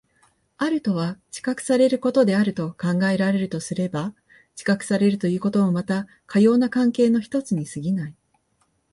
あるとは知覚されることであると考えられるとすれば、知覚されるということもまたかような関係の一つに過ぎない。